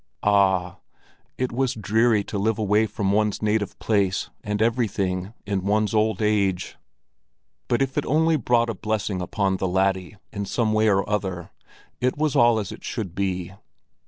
Ah! it was dreary to live away from one's native place and everything in one's old age; but if it only brought a blessing on the laddie in some way or other, it was all as it should be.